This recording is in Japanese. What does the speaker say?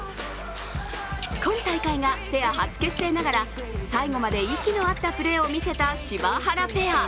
今大会がペア初結成ながら最後まで息の合ったプレーを見せた柴原ペア。